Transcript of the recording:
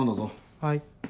はい。